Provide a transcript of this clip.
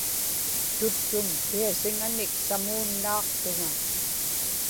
tuttum kiasiŋanik samuunnaaqtuŋa